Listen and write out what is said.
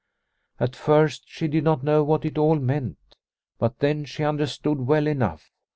At first she did not know what it all meant, but then she understood well enough.